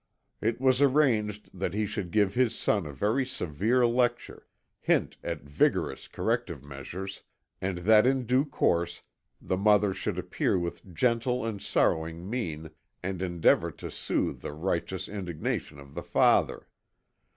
It was arranged that he should give his son a very severe lecture, hint at vigorous corrective measures, and that in due course the mother should appear with gentle and sorrowing mien and endeavour to soothe the righteous indignation of the father.